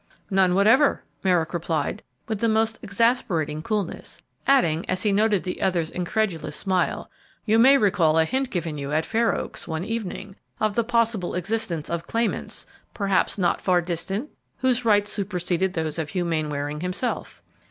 "None whatever," Merrick replied, with the most exasperating coolness, adding, as he noted the other's incredulous smile, "you may recall a hint given you at Fair Oaks, one evening, of the possible existence of claimants, perhaps not far distant, whose rights superseded those of Hugh Mainwaring himself."